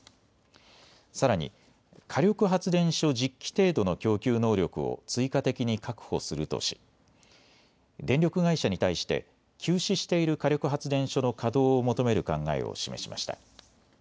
さらに火力発電所１０基程度の供給能力を追加的に確保するとし電力会社に対して休止している火力発電所の稼働を求める考えを示しました。